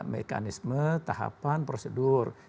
mekanisme tahapan prosedur